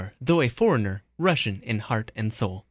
* Though a foreigner, Russian in heart and soul.